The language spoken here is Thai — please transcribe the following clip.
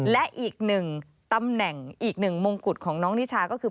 และอีกหนึ่งตำแหน่งอีกหนึ่งมงกุฎของน้องนิชาก็คือ